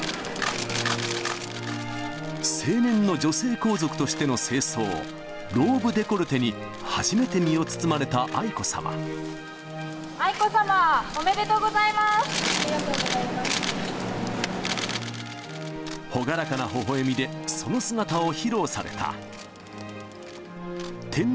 成年の女性皇族としての正装、ローブデコルテに初めて身を包ま愛子さま、おめでとうございありがとうございます。